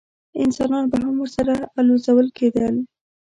انسانان به هم ورسره الوزول کېدل.